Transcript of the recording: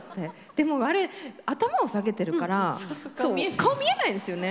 でもあれ頭を下げてるから顔見えないんですよね。